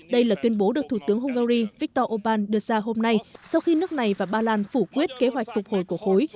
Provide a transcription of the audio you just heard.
đây là tuyên bố được thủ tướng hungary viktor orbán đưa ra hôm nay sau khi nước này và ba lan phủ quyết kế hoạch phục hồi của khối